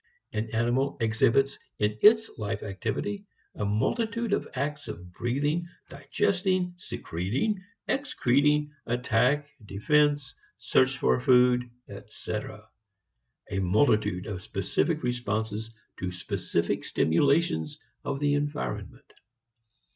An animal exhibits in its life activity a multitude of acts of breathing, digesting, secreting, excreting, attack, defense, search for food, etc., a multitude of specific responses to specific stimulations of the environment.